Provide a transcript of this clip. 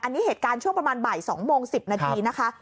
อันนี้เหตุการณ์ช่วงประมาณบ่าย๒โมง๑๐นาทีนะคะ